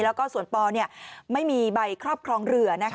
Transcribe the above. แล้วก็ส่วนปไม่มีใบครอบครองเรือ